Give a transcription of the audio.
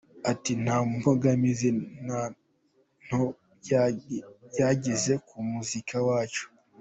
Ati, “Nta mbogamizi na nto byagize ku muziki wacu.